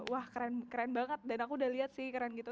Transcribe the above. wah keren banget dan aku udah lihat sih keren gitu